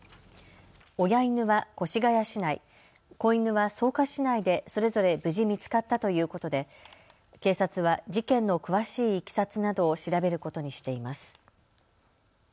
親犬は越谷市内、子犬は草加市内でそれぞれ無事見つかったということで警察は事件の詳しいいきさつなどを調べることにしています。